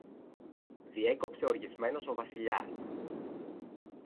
διέκοψε οργισμένος ο Βασιλιάς.